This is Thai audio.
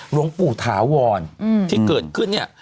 หลวงปู่ถาวรที่เกิดขึ้นเนี่ย